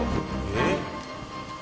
えっ？